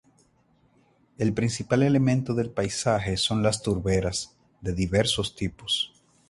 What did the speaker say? El principal elemento del paisaje son las turberas, de diversos tipos.